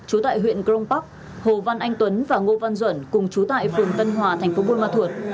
trú tại huyện crong park hồ văn anh tuấn và ngô văn duẩn cùng trú tại phường tân hòa tp bùi măn thuột